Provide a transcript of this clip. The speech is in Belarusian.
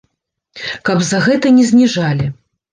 Каб за гэта не зніжалі.